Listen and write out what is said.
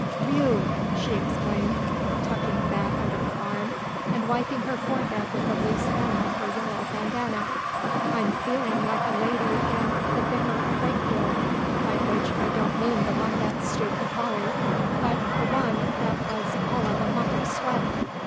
"Whew!" she exclaimed, tucking the bat under her arm and wiping her forehead with a loose end of her yellow bandana. "I'm feelin' like the lady in 'The Vicar of Wakefield'; by which I don't mean the one that stooped to folly, but the one that was all of a muck of sweat."